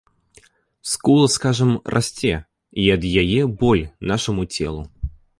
Скула, скажам, расце, і ад яе боль нашаму целу.